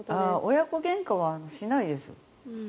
親子げんかはしないです。